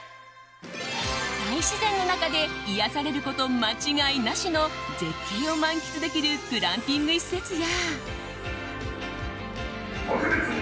大自然の中で癒やされること間違いなしの絶景を満喫できるグランピング施設や。